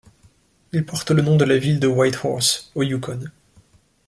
Il porte le nom de la ville de Whitehorse au Yukon.